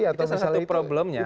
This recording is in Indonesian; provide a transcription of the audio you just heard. itu satu problemnya